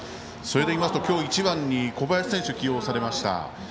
それでいいますときょうは１番に小林選手起用されました。